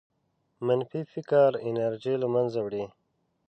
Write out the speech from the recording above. منفي فکر انرژي له منځه وړي.